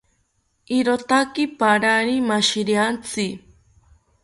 Irotaki parari mashiriantzi